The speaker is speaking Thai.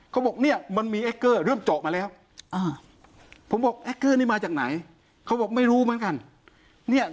เขาบอกเนี้ยมันมีเริ่มจอกมาแล้วอ่าผมบอกนี่มาจากไหนเขาบอกไม่รู้เหมือนกันเนี้ย